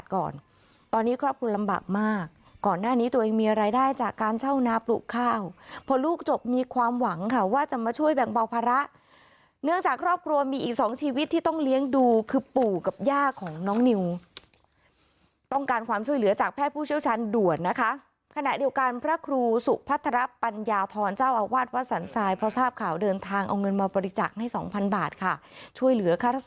จะมีอะไรได้จากการเช่านาปลูกข้าวพอลูกจบมีความหวังค่ะว่าจะมาช่วยแบ่งเบาภาระเนื่องจากครอบครัวมีอีกสองชีวิตที่ต้องเลี้ยงดูคือปู่กับย่าของน้องนิวต้องการความช่วยเหลือจากแพทย์ผู้เชี่ยวชันด่วนนะคะขณะเดียวกันพระครูสุขภัทรปัญญาธรรมเจ้าอาวาสวรรค์สรรทรายพระทราบข่าวเดินทางเอาเ